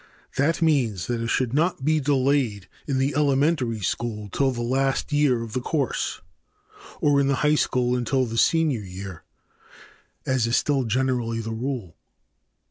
That means that it should not be delayed in the elementary school till the last year of the course, or in the high school until the senior year, as is still generally the rule.